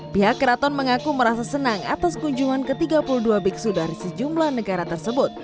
pihak keraton mengaku merasa senang atas kunjungan ke tiga puluh dua biksu dari sejumlah negara tersebut